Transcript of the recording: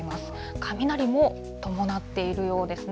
雷も伴っているようですね。